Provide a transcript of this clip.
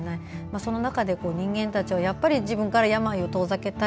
その中で人間たちは自分から病を遠ざけたい。